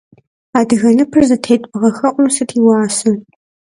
Адыгэ ныпыр зытет бгъэхэӏум сыт и уасэр?